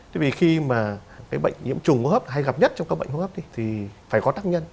tại vì khi mà cái bệnh nhiễm trùng hốp hay gặp nhất trong các bệnh hốp thì phải có tác nhân